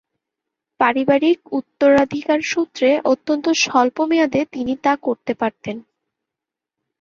পারিবারিক উত্তরাধিকারসূত্রে অন্তত স্বল্প মেয়াদে তিনি তা করতে পারতেন।